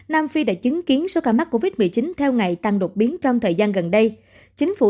nam phi đã chứng kiến số ca mắc covid một mươi chín theo ngày tăng đột biến trong thời gian gần đây chính phủ